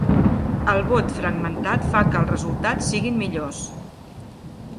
El vot fragmentat fa que els resultats siguin millors.